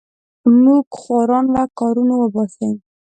موږ خواران له کارونو وباسې.